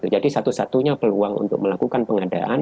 jadi satu satunya peluang untuk melakukan pengadaan